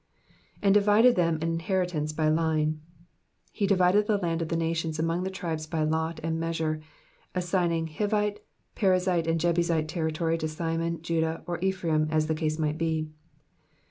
^^And divided them an inheritance by line,'*^ He divided the land of the nations among the tribes by lot and measure, assigning Hivite, Perizzite, and Jcbusite territory to Simeon, Judah, or Ephraim, as the case might be.